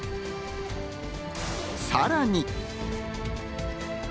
さらに。